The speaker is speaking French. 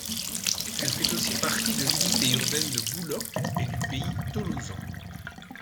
Elle fait aussi partie de l'unité urbaine de Bouloc et du Pays Tolosan.